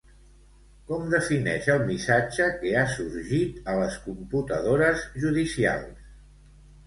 Com defineix el missatge que ha sorgit a les computadores judicials?